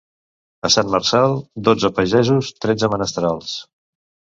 A Sant Marçal, dotze pagesos, tretze menestrals.